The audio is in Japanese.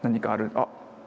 あっ！